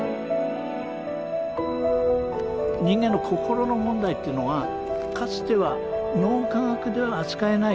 人間の心の問題というのはかつては脳科学では扱えない